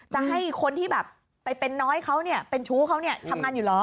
จะให้คนที่แบบไปเป็นน้อยเขาเนี่ยเป็นชู้เขาเนี่ยทำงานอยู่เหรอ